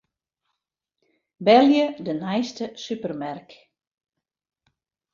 Belje de neiste supermerk.